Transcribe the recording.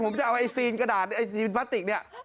ผมจะเอาไอซีนกระดาษไอซีนพลาสติกเนี่ย